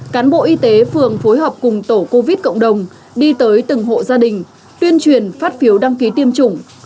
cán bộ y tế phường phối hợp cùng tổ covid cộng đồng đi tới từng hộ gia đình tuyên truyền phát phiếu đăng ký tiêm chủng